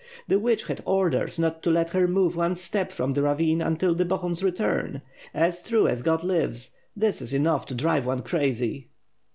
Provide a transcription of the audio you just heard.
The witch had orders not to let her move one step from the ravine, until Bohun's return. As true as God lives! This is enough to drive one crazy."